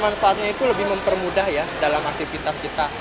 manfaatnya itu lebih mempermudah ya dalam aktivitas kita